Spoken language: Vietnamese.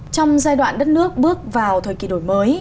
trong giai đoạn đất nước bước vào thời kỳ đổi mới